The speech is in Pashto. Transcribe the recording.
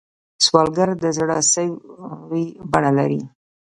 سوالګر د زړه سوې بڼه لري